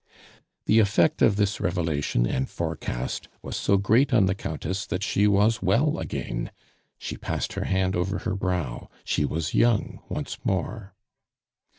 The effect of this revelation and forecast was so great on the Countess that she was well again. She passed her hand over her brow; she was young once more.